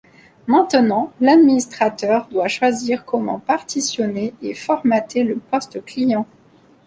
Maintenant l'administrateur doit choisir comment partitionner et formater le poste client.